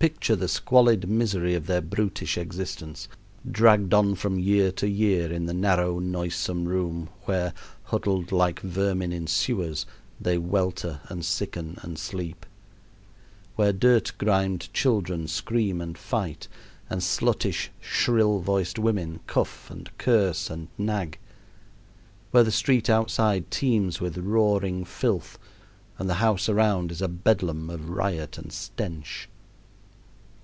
Picture the squalid misery of their brutish existence, dragged on from year to year in the narrow, noisome room where, huddled like vermin in sewers, they welter, and sicken, and sleep; where dirt grimed children scream and fight and sluttish, shrill voiced women cuff, and curse, and nag; where the street outside teems with roaring filth and the house around is a bedlam of riot and stench.